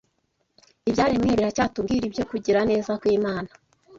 ibyaremwe biracyatubwira ibyo kugira neza kw’Imana .